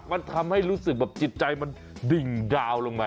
มันทำให้รู้สึกแบบจิตใจมันดิ่งดาวลงมา